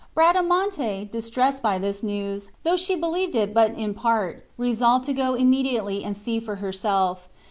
Bradamante, distressed by this news, though she believed it but in part, resolved to go immediately and see for herself.